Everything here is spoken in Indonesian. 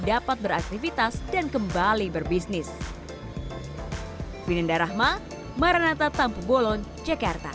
dapat beraktivitas dan kembali berbisnis